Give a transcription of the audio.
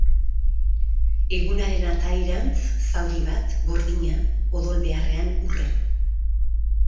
Egunaren atarirantz, zauri bat, gordina, odol beharrean urre.